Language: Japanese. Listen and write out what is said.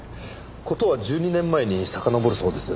事は１２年前にさかのぼるそうです。